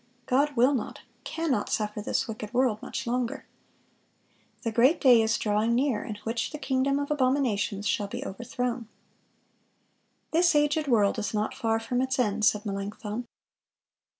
God will not, can not, suffer this wicked world much longer." "The great day is drawing near in which the kingdom of abominations shall be overthrown."(471) "This aged world is not far from its end," said Melanchthon.